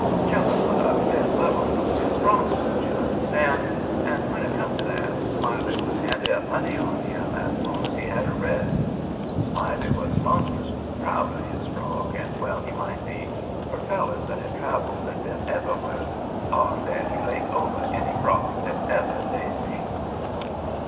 Jumping on a dead level was his strong suit, you understand; and when it come to that, Smiley would ante up money on him as long as he had a red. Smiley was monstrous proud of his frog, and well he might be, for fellers that had traveled and been everywheres, all said he laid over any frog that ever they see.